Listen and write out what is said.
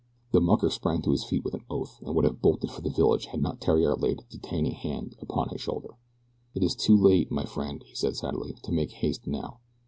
The mucker sprang to his feet with an oath, and would have bolted for the village had not Theriere laid a detaining hand upon his shoulder. "It is too late, my friend," he said sadly, "to make haste now.